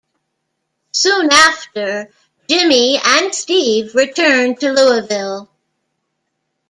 Soon after, Jimmy and Steve returned to Louisville.